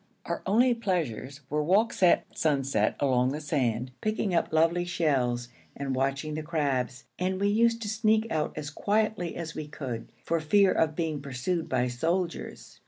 Our only pleasures were walks at sunset along the sand, picking up lovely shells and watching the crabs, and we used to sneak out as quietly as we could for fear of being pursued by soldiers.